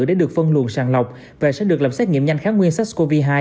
để được phân luồn sàng lọc và sẽ được làm xét nghiệm nhanh kháng nguyên sars cov hai